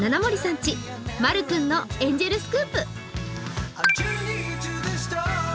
家、まるくんのエンジェルスクープ。